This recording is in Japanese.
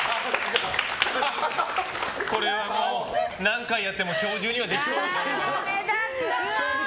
これはもう何回やっても今日中にはできそうにないな。